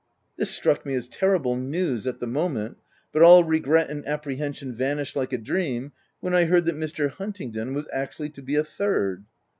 This struck me as terrible news, at the moment, but all regret and ap prehension vanished like a dream when I heard OF WILDFELL HALL. 319 that xMr. Huntingdon was actually to be a third